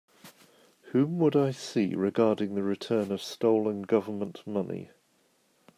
Whom would I see regarding the return of stolen Government money?